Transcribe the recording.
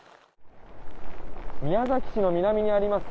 宮崎市の南にあります